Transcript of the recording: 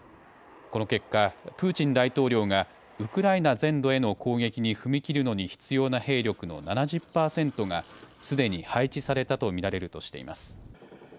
この結果、プーチン大統領がウクライナ全土への攻撃に踏み切るのに必要な兵力の７０％がすでに配置されたと見られるとしています。